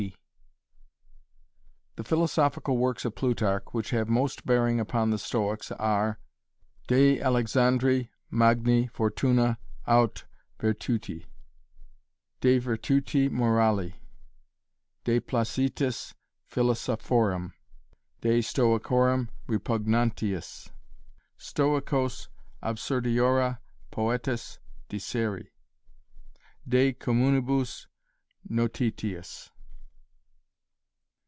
80 The Philosophical works of Plutarch which have most bearing upon the Stoics are De Alexandri Magni fortuna aut virtute, De Virtute Morali, De Placitis Philosophorum, De Stoicorum Repugnantiis, Stoicos absurdiora poetis dicere, De Communibus Notitiis.